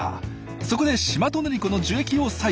そこでシマトネリコの樹液を採取。